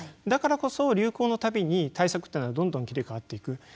だからこそ流行のたびに対策というのはどんどん切り替わっていく。